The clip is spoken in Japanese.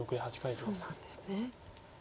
そうなんですね。